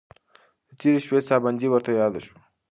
د تېرې شپې ساه بندي ورته یاده شوه.